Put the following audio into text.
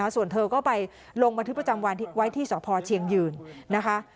ส่วนเธอก็ไปลงบันทึกประจำวันไว้ที่สพเชียงยืนนะคะ